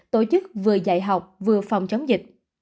tổ chức vừa dạy học vừa phòng chống dịch